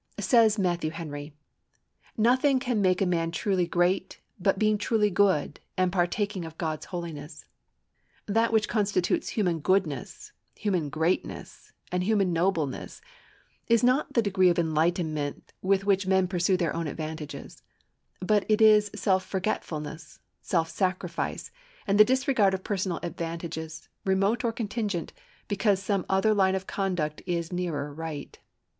Says Matthew Henry: "Nothing can make a man truly great but being truly good, and partaking of God's holiness." That which constitutes human goodness, human greatness, and human nobleness is not the degree of enlightenment with which men pursue their own advantages, but it is self forgetfulness, self sacrifice, and the disregard of personal advantages, remote or contingent, because some other line of conduct is nearer right.